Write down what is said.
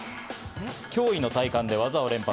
驚異の体幹で技を連発。